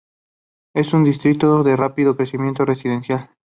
Es un distrito de rápido crecimiento residencial.